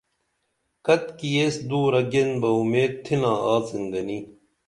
کتِکی ایس دُورہ گین بہ امید تِھنا آڅِن گنی